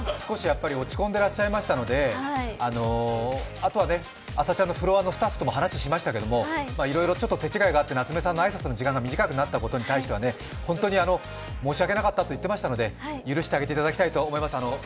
あとは「あさチャン！」のフロアのスタッフとも話をしましたけどいろいろ手違いで夏目さんの挨拶の時間が短くなったことに対しては本当に申し訳なかったと言っていましたので許してあげていただきたいと思います。